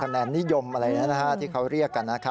คะแนนนิยมอะไรนี้นะคะที่เขาเรียกกันนะ